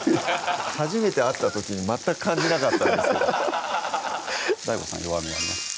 初めて会った時に全く感じなかったんですけどＤＡＩＧＯさん弱みはありますか？